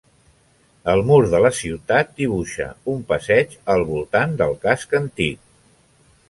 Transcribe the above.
El mur de la ciutat dibuixa un passeig al voltant del casc antic.